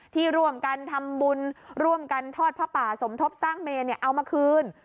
ที่ร่วมกันทำบุญร่วมกันทอดผ้าป่าสมทบสร้างเมนเอามาคืน